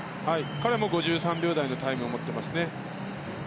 彼も５３秒台のタイムを持っていますね。